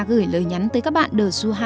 gửi lời nhắn tới các bạn đờ su hai